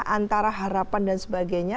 antara harapan dan sebagainya